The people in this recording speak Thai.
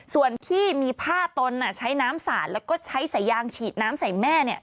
ส่วนที่มีผ้าตนใช้น้ำสาดแล้วก็ใช้สายยางฉีดน้ำใส่แม่